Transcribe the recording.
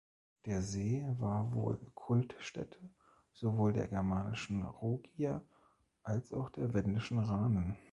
Der See war wohl Kultstätte sowohl der germanischen Rugier als auch der wendischen Ranen.